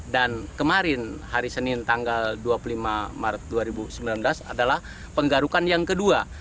dan kemarin hari senin tanggal dua puluh lima maret dua ribu sembilan belas adalah penggarukan yang kedua